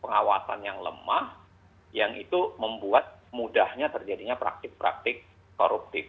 pengawasan yang lemah yang itu membuat mudahnya terjadinya praktik praktik koruptif